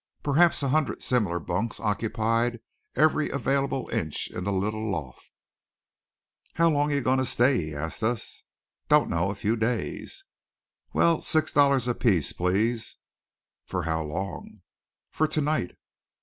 Perhaps a hundred similar bunks occupied every available inch in the little loft. "How long you going to stay?" he asked us. "Don't know; a few days." "Well, six dollars apiece, please." "For how long?" "For to night."